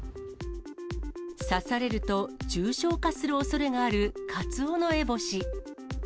刺されると重症化するおそれがある、カツオノエボシ。